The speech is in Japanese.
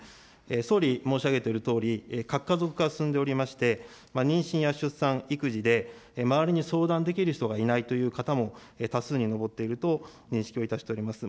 総理、申し上げているとおり、核家族化、進んでおりまして、妊娠や出産、育児で、周りに相談できる人がいないという方も多数に上っていると認識をいたしております。